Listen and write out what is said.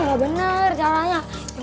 ah gak bener caranya